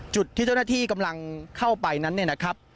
จุดที่เจ้าหน้าที่กำลังเข้าไปนั้นเนี่ยนะครับ